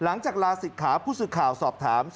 หลังจากลาศิกขาผู้สื่อข่าวสอบถาม